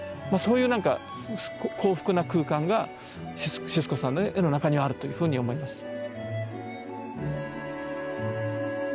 まあそういう何か幸福な空間がシスコさんの絵の中にあるというふうに思います。